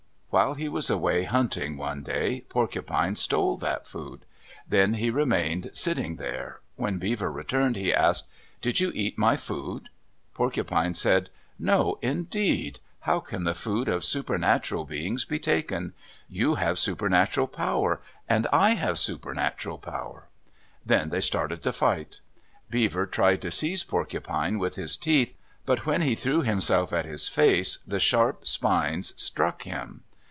While he was away hunting one day, Porcupine stole that food. Then he remained sitting there. When Beaver returned he asked, "Did you eat my food?" Porcupine said, "No, indeed. How can the food of supernatural beings be taken? You have supernatural power and I have supernatural power." Then they started to fight. Beaver tried to seize Porcupine with his teeth, but when he threw himself at his face, the sharp spines struck him.